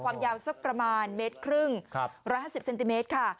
ความยาวสักประมาณเมตรครึ่ง๑๕๐เซนติเมตรค่ะ